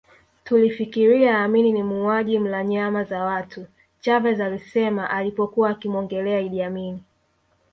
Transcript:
Tulifikiria Amin ni muuaji mla nyama za watu Chavez alisema alipokuwa akimuongelea Idi Amin